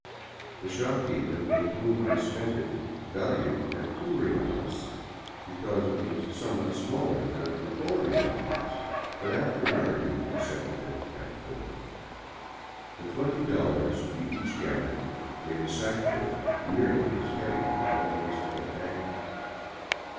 The shopkeeper with whom I spent it valued it at two reales because it was somewhat smaller than the four real piece, but after an argument accepted it as four. The twenty dollars we each gathered made a sackful nearly as heavy as all the rest of our baggage.